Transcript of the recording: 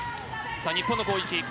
さあ、日本の攻撃。